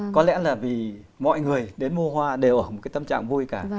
có lẽ là vì mọi người đến mua hoa đều ở một cái tâm trạng vui cả